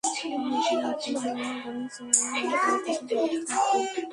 আমি এখানে অন্তত আগামী চার বা পাঁচ বছর যাবত থাকবো।